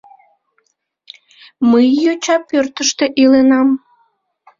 — Мый йоча пӧртыштӧ иленам.